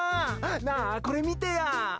なあ、これ見てや。